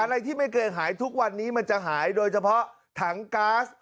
อะไรที่ไม่เคยหายทุกวันนี้มันจะหายโดยเฉพาะถังก๊าซ